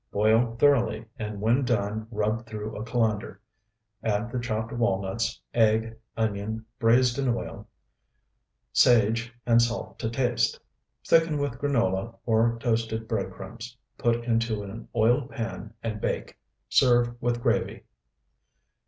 Boil thoroughly, and when done rub through a colander. Add the chopped walnuts, egg, onion braized in oil, sage, and salt to taste. Thicken with granola or toasted bread crumbs. Put into an oiled pan and bake. Serve with gravy.